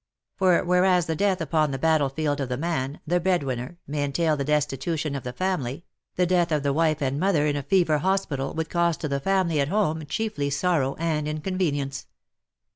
For whereas the death upon the battlefield of the man — the breadwinner — may entail the destitution of the family, the death of the wife and mother in a fever hospital would cause to the family at home chiefly sorrow and inconvenience.